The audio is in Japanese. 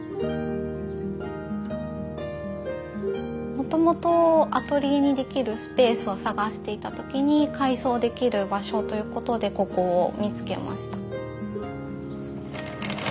もともとアトリエにできるスペースを探していた時に改装できる場所ということでここを見つけました。